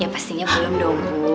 ya pastinya belum dong